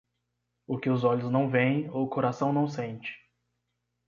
O que os olhos não veem, o coração não sente